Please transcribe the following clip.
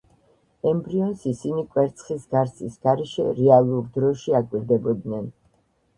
ემბრიონს ისინი კვერცხის გარსის გარეშე, რეალურ დროში აკვირდებოდნენ.